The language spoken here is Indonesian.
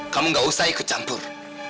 kamu gak usah ikut campur